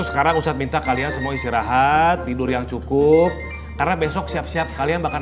sekarang ustadz minta kalian semua istirahat tidur yang cukup karena besok siap siap kalian makan